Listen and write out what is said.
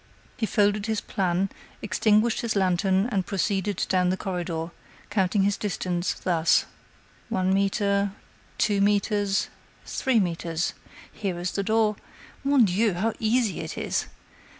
He folded his plan, extinguished his lantern, and proceeded down the corridor, counting his distance, thus: "One metre.... two metres.... three metres....Here is the door....Mon Dieu, how easy it is!